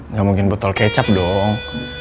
nggak mungkin botol kecap dong